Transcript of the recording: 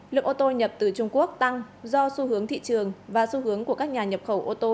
lượng ô tô nhập từ trung quốc tăng do xu hướng thị trường và xu hướng của các nhà nhập khẩu ô tô